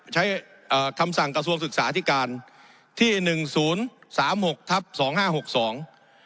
เอ่อคำสั่งกระทรวงศึกษาที่การที่หนึ่งศูนย์สามหกทับสองห้าหกสอง